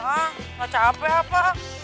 gak capek apa